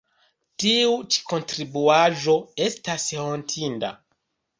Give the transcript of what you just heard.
Tiu ĉi kontribuaĵo estas hontinda.